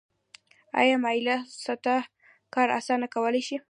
آیا مایله سطحه کار اسانه کولی شي؟